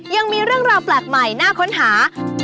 ยังมีเรื่องราวแปลกใหม่น่าค้นหา